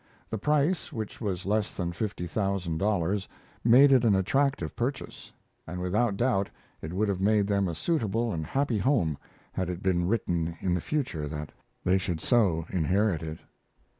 The price, which was less than fifty thousand dollars, made it an attractive purchase; and without doubt it would have made them a suitable and happy home had it been written in the future that they should so inherit it.